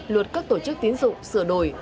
luật các tổ chức tín dụng sửa đổi